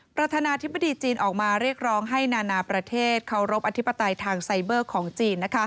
ประธานาธิบดีจีนออกมาเรียกร้องให้นานาประเทศเคารพอธิปไตยทางไซเบอร์ของจีน